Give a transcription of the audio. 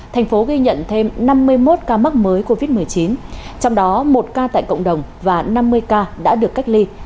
thành phố ghi nhận thêm năm mươi một ca mắc mới covid một mươi chín trong đó một ca tại cộng đồng và năm mươi ca đã được cách ly